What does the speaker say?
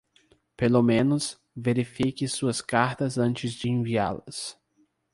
Pelo menos, verifique suas cartas antes de enviá-las.